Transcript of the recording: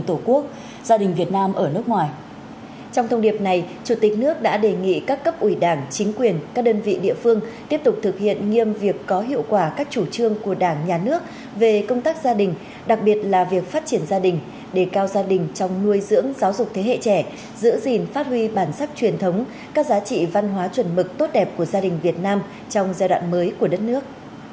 trong thông điệp này chủ tịch nước đã đề nghị các cấp ủy đảng chính quyền các đơn vị địa phương tiếp tục thực hiện nghiêm việc có hiệu quả các chủ trương của đảng nhà nước về công tác gia đình đặc biệt là việc phát triển gia đình đề cao gia đình trong nuôi dưỡng giáo dục thế hệ trẻ giữ gìn phát huy bản sắc truyền thống các giá trị văn hóa chuẩn mực tốt đẹp của gia đình việt nam trong giai đoạn mới của đất nước